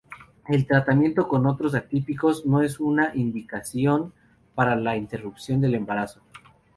El tratamiento con otros atípicos no es una indicación para la interrupción del embarazo.